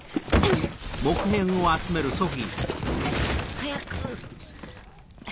早く。